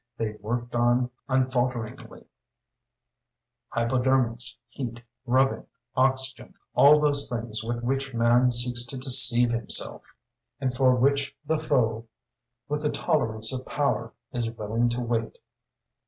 They worked on unfalteringly hypodermics, heat, rubbing, oxygen, all those things with which man seeks to deceive himself, and for which the foe, with the tolerance of power, is willing to wait.